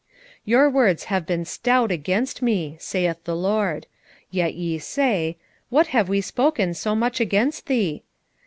3:13 Your words have been stout against me, saith the LORD. Yet ye say, What have we spoken so much against thee?